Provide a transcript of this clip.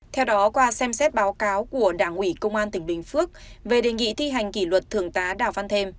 theo đó qua xem xét báo cáo của đảng ủy công an tỉnh bình phước về đề nghị thi hành kỷ luật thường tá đào văn thêm